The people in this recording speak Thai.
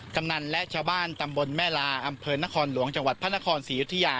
กำนันและชาวบ้านตำบลแม่ลาอำเภอนครหลวงจังหวัดพระนครศรียุธยา